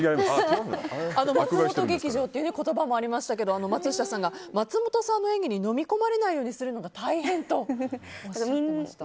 松本劇場という言葉もありましたけど松下さんが、松本さんの演技にのみ込まれないようにするのが大変とおっしゃってました。